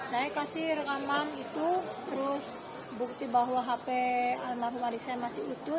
saya kasih rekaman itu terus bukti bahwa hp almarhum wali saya masih utuh